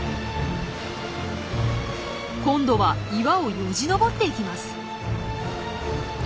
今度は岩をよじ登っていきます。